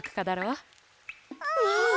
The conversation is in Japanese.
うん！